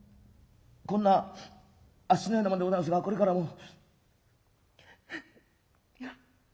こんなあっしのような者でございますがこれからも」。